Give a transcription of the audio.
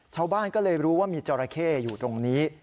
ชาวบ้านก็เลยรู้ว่ามีจราเข้อยู่ตรงนี้